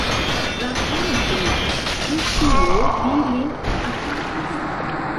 Rakontu, pro kio vi lin atakis?